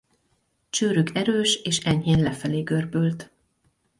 Csőrük erős és enyhén lefelé görbült.